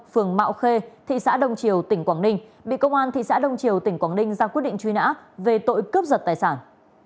phường mạo khê thị xã đông triều tỉnh quảng ninh bị công an thị xã đông triều tỉnh quảng ninh ra quyết định truy nã về tội cướp giật tài sản